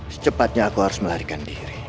secepatnya aku harus melarikan diri